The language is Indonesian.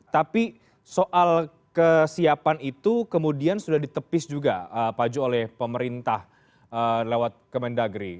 tapi soal kesiapan itu kemudian sudah ditepis juga pak jo oleh pemerintah lewat kemendagri